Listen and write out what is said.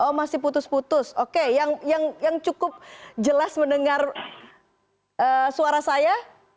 oh masih putus putus oke yang cukup jelas mendengar suara saya